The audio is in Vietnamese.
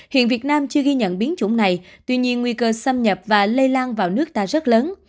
hiện việt nam chưa ghi nhận biến chủng này tuy nhiên nguy cơ xâm nhập và lây lan vào nước ta rất lớn